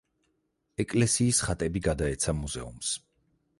ეკლესიის ხატები გადაეცა მუზეუმს.